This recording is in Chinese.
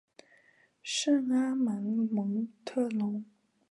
圣阿芒蒙特龙。